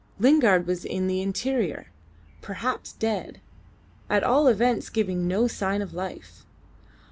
Lingard was in the interior perhaps dead at all events giving no sign of life.